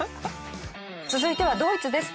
続いてはドイツです。